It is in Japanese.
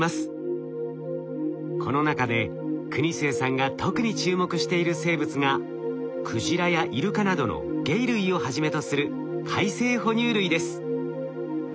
この中で国末さんが特に注目している生物がクジラやイルカなどの鯨類をはじめとする海棲哺乳類です。